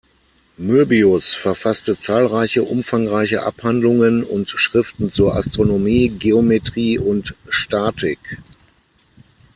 Möbius verfasste zahlreiche umfangreiche Abhandlungen und Schriften zur Astronomie, Geometrie und Statik.